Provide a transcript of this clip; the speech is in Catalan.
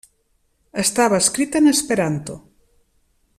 Estava escrita en esperanto.